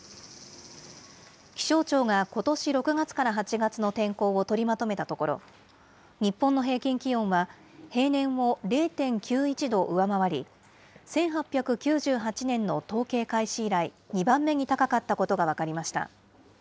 気象庁がことし６月から８月の天候を取りまとめたところ、日本の平均気温は平年を０．９１度上回り、１８９８年の統計開始以来、２番目に高かったことが分かりました。